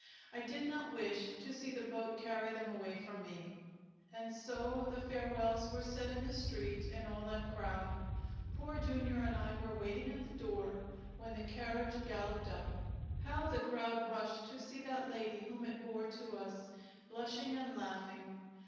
I did not wish to see the boat carry them away from me. And so the farewells were said in the street in all that crowd. Poor Jr. and I were waiting at the door when the carriage galloped up. How the crowd rushed to see that lady whom it bore to us, blushing and laughing!